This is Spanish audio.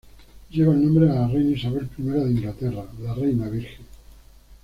Lleva el nombre de la Reina Isabel I de Inglaterra, la Reina Virgen.